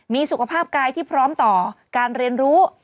มีสุขภาพกายที่พร้อมต่อการเรียนรู้